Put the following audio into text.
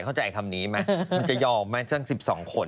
เข้าใจคำนี้ไหมมันจะยอมไหมสัก๑๒คน